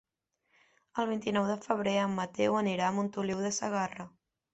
El vint-i-nou de febrer en Mateu anirà a Montoliu de Segarra.